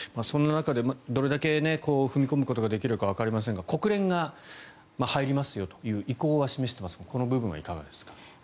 そんな中どれだけ踏み込むことができるかわかりませんが国連が入りますよという意向は示していますがこの部分はいかがですか。